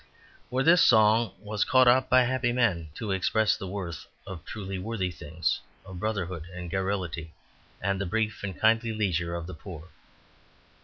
For this song was caught up by happy men to express the worth of truly worthy things, of brotherhood and garrulity, and the brief and kindly leisure of the poor.